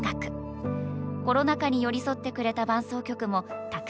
コロナ禍に寄り添ってくれた伴走曲もたくさん集まりました